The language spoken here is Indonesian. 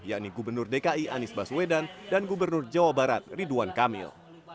yakni gubernur dki anies baswedan dan gubernur jawa barat ridwan kamil